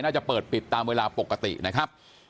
น่าจะเปิดปิดตามเวลาปกตินะครับ